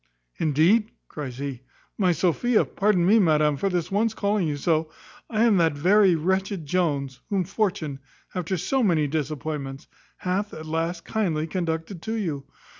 "Indeed," cries he, "my Sophia, pardon me, madam, for this once calling you so, I am that very wretched Jones, whom fortune, after so many disappointments, hath, at last, kindly conducted to you.